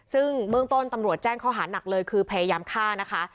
ซึ่งเบื้องต้นตำรวจแจ้งข้อหานักเลยคือพยายามฆ่านะคะ